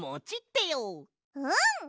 うん！